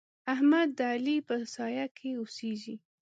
احمد د علي په سايه کې اوسېږي.